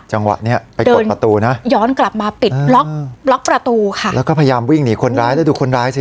จังหวะเนี้ยไปกดประตูนะย้อนกลับมาปิดล็อกล็อกประตูค่ะแล้วก็พยายามวิ่งหนีคนร้ายแล้วดูคนร้ายสิ